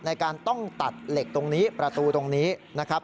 ในการต้องตัดเหล็กตรงนี้ประตูตรงนี้นะครับ